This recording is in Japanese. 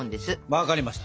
分かりました！